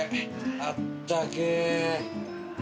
あったけえ！